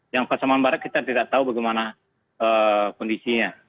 yang pasaman barat kita tidak tahu bagaimana kondisinya